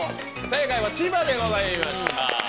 正解は千葉でございました。